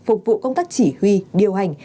phục vụ công tác chỉ huy điều hành